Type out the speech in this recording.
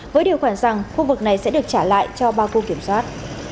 với điều khoản rằng khu vực này sẽ được trả lại cho ba khu kiểm soát